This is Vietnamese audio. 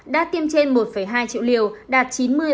đã tiêm trên một hai triệu liều đạt chín mươi